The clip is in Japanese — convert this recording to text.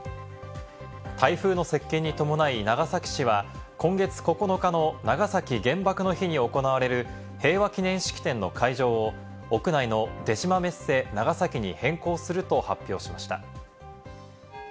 台風の接近に伴い、長崎市は今月９日の長崎原爆の日に行われる平和祈念式典の会場を屋内の出島メッセ長崎に変更すると発表しました。